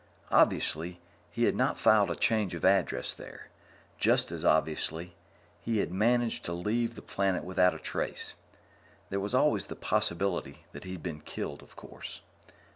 Obviously, he had not filed a change of address there; just as obviously, he had managed to leave the planet without a trace. There was always the possibility that he'd been killed, of course.